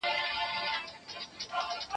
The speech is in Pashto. تا چي ول وخت به بالا ډېر وي باره ناوخته سو